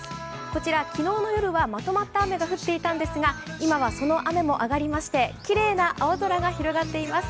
こちら、昨日の夜はまとまった雨が降っていたんですが今はその雨も上がりましてきれいな青空が広がっています。